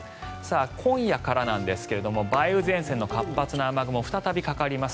今夜からなんですが梅雨前線の活発な雨雲が再びかかります。